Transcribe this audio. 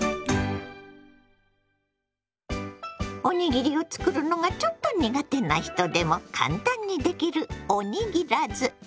おにぎりを作るのがちょっと苦手な人でも簡単にできるおにぎらず。